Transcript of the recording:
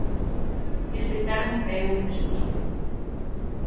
Este termo caeu en desuso.